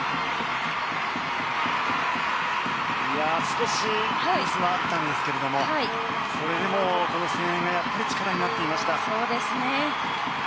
少しミスもあったんですけどもそれでも、この声援がやっぱり力になっていました。